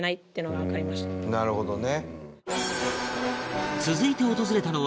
伊達：なるほどね。